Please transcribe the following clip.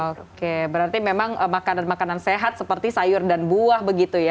oke berarti memang makanan makanan sehat seperti sayur dan buah begitu ya